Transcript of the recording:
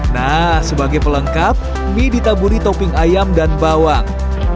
nah sebagai pelengkap mie ditaburi topping ayam dan bawang